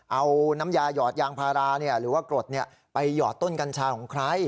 เอาน้ำยาหยอดยางพาราหรือว่ากรดไปหยอดต้นกัญชาของใคร